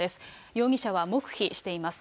容疑者は黙秘しています。